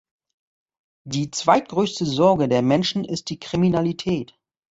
Die zweitgrößte Sorge der Menschen ist die Kriminalität.